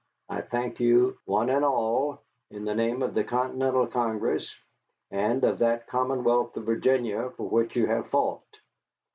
I thank you, one and all, in the name of the Continental Congress and of that Commonwealth of Virginia for which you have fought.